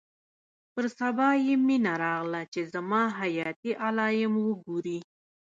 پر سبا يې مينه راغله چې زما حياتي علايم وګوري.